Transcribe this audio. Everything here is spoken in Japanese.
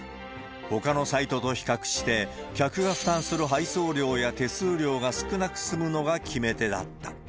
ほかのサイトと比較して、客が負担する配送料や手数料が少なく済むのが決め手だった。